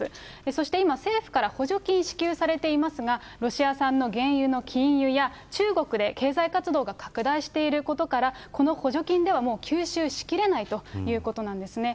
そして今、政府から補助金支給されていますが、ロシア産の原油の禁輸や中国で経済活動が拡大していることから、この補助金ではもう吸収しきれないということなんですね。